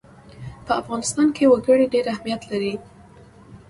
په افغانستان کې وګړي ډېر اهمیت لري.